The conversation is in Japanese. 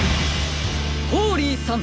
ホーリーさん！